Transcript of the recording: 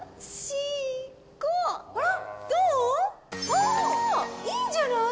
おー、いいんじゃない？